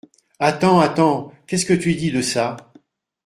Attends, attends, qu’est-ce que tu dis de ça ?